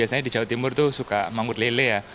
saya di jawa timur tuh suka mangut lele ya